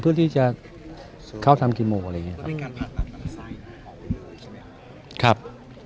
เพื่อนที่เข้าทำคีโมอะไรอื่นหรืออื่นหลอด